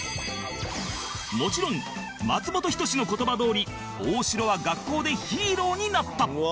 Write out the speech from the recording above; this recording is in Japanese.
もちろん松本人志の言葉どおり大城は学校でヒーローになった